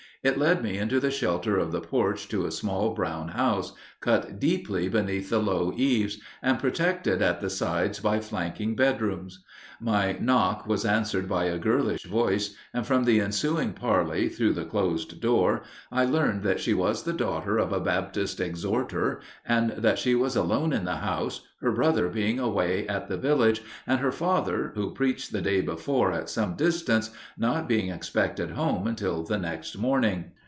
It led me into the shelter of the porch to a small brown house, cut deeply beneath the low eaves, and protected at the sides by flanking bedrooms. My knock was answered by a girlish voice, and from the ensuing parley, through the closed door, I learned that she was the daughter of a Baptist exhorter, and that she was alone in the house, her brother being away at the village, and her father, who preached the day before at some distance, not being expected home until the next morning.